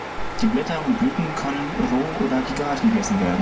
Die Blätter und Blüten können roh oder gegart gegessen werden.